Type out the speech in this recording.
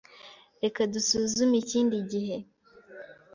Reka dusuzume ikindi gihe.